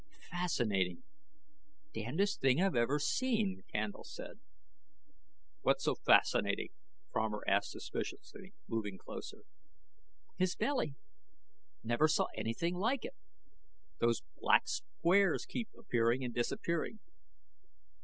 "Fascinating! Damnedest thing I've ever seen," Candle said. "What's so fascinating?" Fromer asked suspiciously, moving closer. "His belly. Never saw anything like it. Those black squares keep appearing and disappearing.